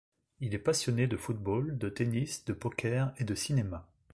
Il est passionné de football, de tennis, de poker et de cinéma.